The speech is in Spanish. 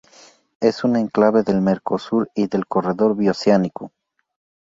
Es un enclave del Mercosur y del Corredor Bioceánico.